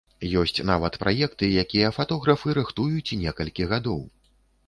Ёсць нават праекты, якія фатографы рыхтуюць некалькі гадоў.